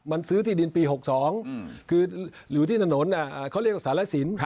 มันซื้อที่ดินปี๖๒คืออยู่ที่ถนนเขาเรียกว่าสารสิน